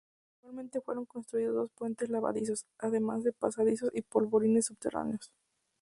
Igualmente fueron construidos dos puentes levadizos, además de pasadizos y polvorines subterráneos.